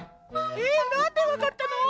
えなんでわかったの？